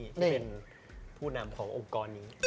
ที่เป็นผู้นำขององค์กรนี้